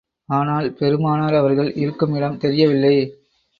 ஆனால், பெருமானார் அவர்கள் இருக்கும் இடம் தெரியவில்லை.